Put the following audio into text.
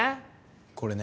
これね？